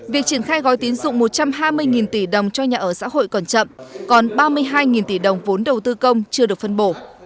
việc triển khai gói tín dụng một trăm hai mươi tỷ đồng cho nhà ở xã hội còn chậm còn ba mươi hai tỷ đồng vốn đầu tư công chưa được phân bổ